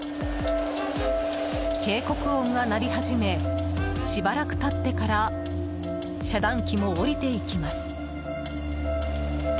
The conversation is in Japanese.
警告音が鳴り始めしばらく経ってから遮断機も下りていきます。